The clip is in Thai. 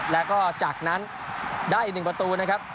แล้วก็จากนั้นได้อีก๑ประตูนะครับ